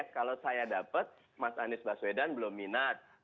kalau saya dapat mas anies baswedan belum minat